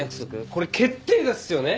これ決定打ですよね。